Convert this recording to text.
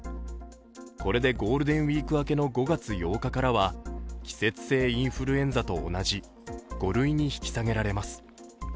これでゴールデンウイーク明けの５月８日からは季節性インフルエンザと同じ５類に引き下げられます。